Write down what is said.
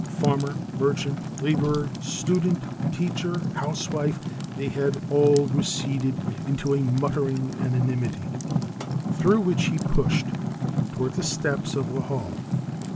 Farmer, merchant, laborer, student, teacher, housewife, they had all receded into a muttering anonymity through which he pushed toward the steps of the hall.